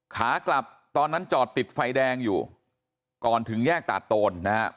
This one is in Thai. ขากลับตอนนั้นจอดติดไฟแดงอยู่ก่อนถึงแยกตาดโตนนะครับ